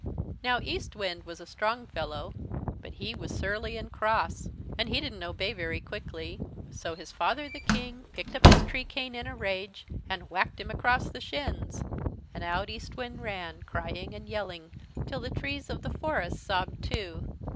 "Now Eastwind was a strong fellow, but he was surly and cross and he didn't obey very quickly. So his father the King picked up his tree cane in a rage and whacked him across the shins, and out Eastwind ran, crying and yelling till the trees of the forests sobbed too.